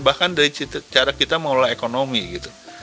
bahkan dari cara kita mengelola ekonomi gitu